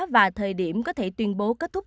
và thời điểm có thể tuyên bố kết thúc